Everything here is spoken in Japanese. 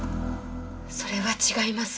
それは違います。